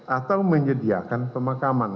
atau menyediakan pemakaman